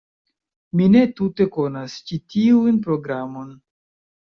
Mi ne tute konas ĉi tiun programon.